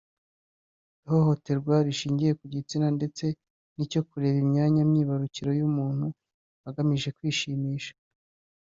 ihohoterwa rishingiye ku gitsina ndetse n’icyo kureba imyanya myibarukiro y’umuntu hagamijwe kwishimisha